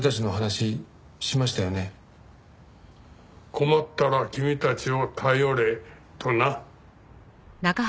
困ったら君たちを頼れとな。